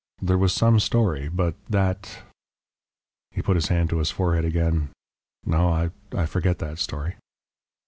"There was some story but that " He put his hand to his forehead again. "No," he said, "I forget that story."